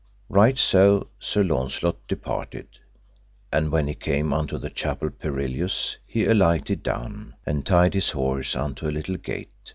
Right so Sir Launcelot departed, and when he came unto the Chapel Perilous he alighted down, and tied his horse unto a little gate.